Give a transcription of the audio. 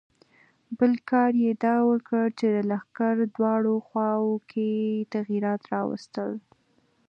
بل کار یې دا وکړ چې د لښکر دواړو خواوو کې یې تغیرات راوستل.